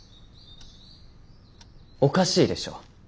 おかしいでしょう。